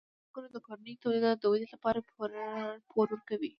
بانکونه د کورنیو تولیداتو د ودې لپاره پور ورکوي.